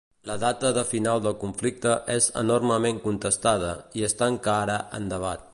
La data de final del conflicte és enormement contestada i està encara en debat.